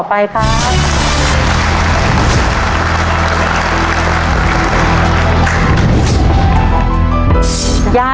ขอบคุณครับขอบคุณครับ